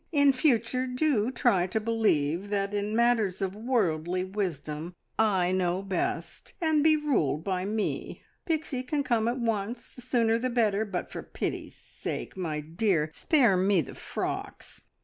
In future do try to believe that in matters of worldly wisdom I know best, and be ruled by me! "Pixie can come at once the sooner the better, but for pity's sake, my dear, spare me the frocks.